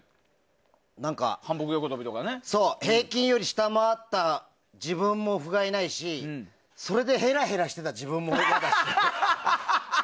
何か平均より下回った自分もふがいないしそれでへらへらしてた自分も嫌だったの。